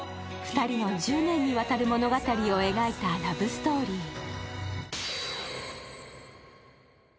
２人の１０年にわたる物語を描いたラブストーリー。